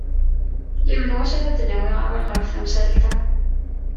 Yiwen n wass, ad d-nawi awal ɣef temsalt-a.